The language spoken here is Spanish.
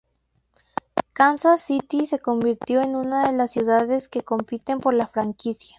Kansas City se convirtió en una de las ciudades que compiten por la franquicia.